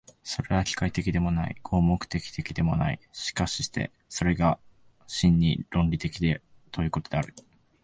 それは機械的でもない、合目的的でもない、しかしてそれが真に論理的ということである。